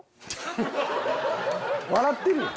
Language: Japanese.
笑ってるやん。